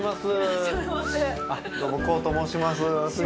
あどうもコウと申します。